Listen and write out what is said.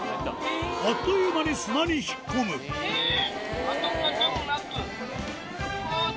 あっという間に砂に引っ込むえぇ！